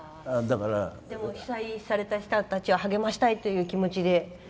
でも、被災された人たちを励ましたいっていう気持ちで。